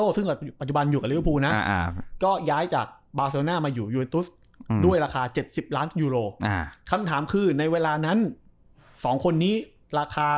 ซึ่งข้าต่อ๖๐ล้านยุโรนะครับทหารก็ท่านคือในเวลานั้นสองคนนี้ราคา